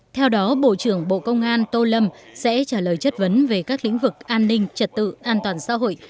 theo đó bộ trưởng bộ công an tô lâm sẽ trả lời chất vấn về các lĩnh vực an ninh trật tự an toàn xã hội